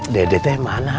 dedek teh mana